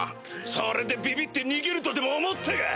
それでビビって逃げるとでも思ったか！